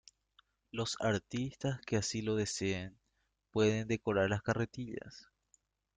Los artistas que así lo deseen pueden decorar las carretillas.